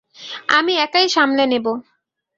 আমি একাই সামলে নেব।